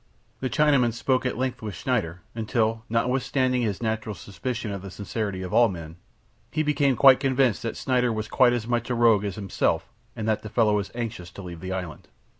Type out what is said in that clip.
The Chinaman spoke at length with Schneider, until, notwithstanding his natural suspicion of the sincerity of all men, he became quite convinced that Schneider was quite as much a rogue as himself and that the fellow was anxious to leave the island.